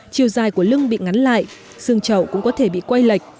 chiều dài của lưng bị ngắn lại xương trậu cũng có thể bị quay lệch